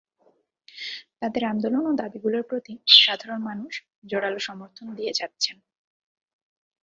তাদের আন্দোলন ও দাবিগুলোর প্রতি সাধারণ মানুষ জোরালো সমর্থন দিয়ে যাচ্ছেন।